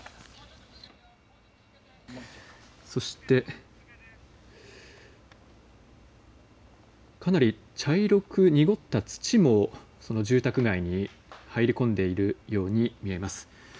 そして、かなり茶色く濁った土も住宅街に入り込んでいるように見えます。